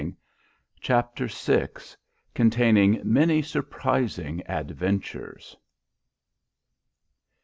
Chapter vi. _Containing many surprising adventures.